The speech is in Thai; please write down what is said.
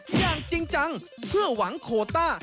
อย่างจริงจังเพื่อหวังโคต้า